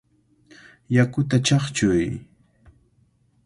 ¡Yakuta chaqchuy!